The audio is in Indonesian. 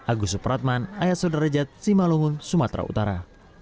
agus supratman ayat soderajat cimbalungun sumatera utara